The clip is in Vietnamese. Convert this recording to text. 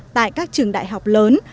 tại các trường đại học lớn